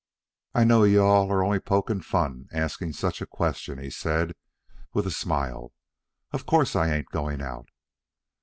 "I know you all are only pokin' fun asking such a question," he said, with a smile. "Of course I ain't going out."